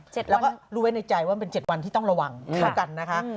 เราก็รู้ไว้ในใจว่าเป็น๗วันที่ต้องระวังเท่ากันนะคะ